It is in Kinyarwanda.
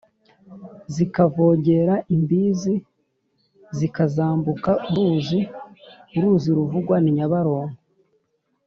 zikavogera imbizi: zikazambuka uruzi (uruzi ruvugwa ni nyabarongo)